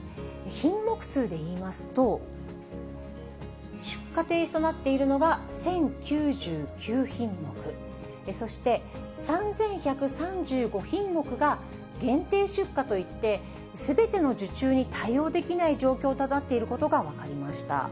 品目数でいいますと、出荷停止となっているのが１０９９品目、そして３１３５品目が限定出荷といって、すべての受注に対応できない状況となっていることが分かりました。